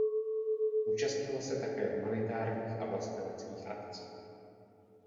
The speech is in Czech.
Účastnila se také humanitárních a vlasteneckých akcí.